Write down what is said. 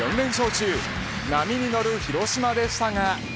中波に乗る広島でしたが。